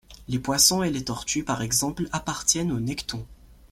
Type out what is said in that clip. Les poissons et les tortues par exemple appartiennent au necton.